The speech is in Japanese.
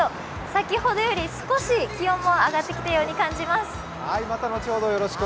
先ほどより少し気温も上がってきたように感じます。